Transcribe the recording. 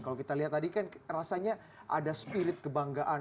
kalau kita lihat tadi kan rasanya ada spirit kebanggaan